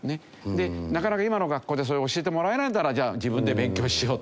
でなかなか今の学校でそれを教えてもらえないならじゃあ自分で勉強しようと。